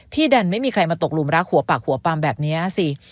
ดันไม่มีใครมาตกหลุมรักหัวปากหัวปามแบบนี้สิ